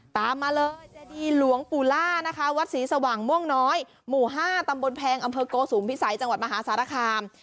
ตามมาเลยเจดีหลวงปู่ล่านะคะวัดศรีสว่างม่วงน้อยหมู่๕ตำบลแพงอำเภอโกสุมพิสัยจังหวัดมหาสารคาม